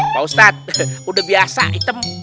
pak ustadz udah biasa item